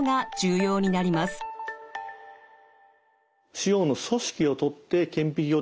腫瘍の組織を採って顕微鏡で調べる